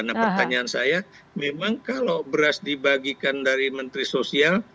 nah pertanyaan saya memang kalau beras dibagikan dari menteri sosial